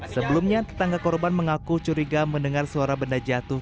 sebelumnya tetangga korban mengaku curiga mendengar suara benda jatuh